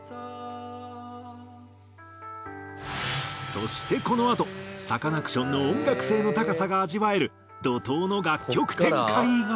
そしてこのあとサカナクションの音楽性の高さが味わえる怒濤の楽曲展開が！